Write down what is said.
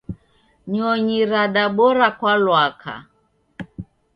Nyonyi radabora kwa lwaka.